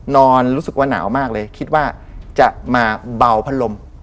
รู้สึกว่าหนาวมากเลยคิดว่าจะมาเบาพัดลม